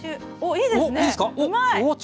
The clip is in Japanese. いいですよ。